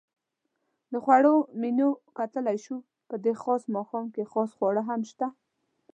د خوړو منیو کتلای شو؟ په دې خاص ماښام کې خاص خواړه هم شته.